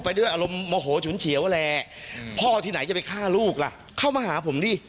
พ่อที่ไหนจะไปฆ่าลูกล่ะเข้ามาหาผมดิ